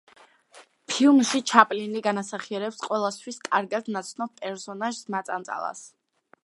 ფილმში ჩაპლინი განასახიერებს ყველასთვის კარგად ნაცნობ პერსონაჟს მაწანწალას.